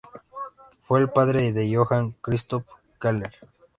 Fue el padre de Johann Christoph Kellner.